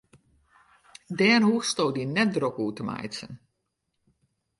Dêr hoechsto dy net drok oer te meitsjen.